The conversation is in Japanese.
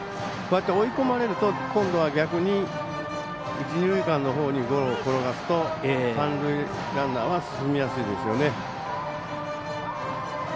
追い込まれると、今度は逆に一、二塁間のほうにゴロを転がすと三塁ランナーは進みやすいですよね。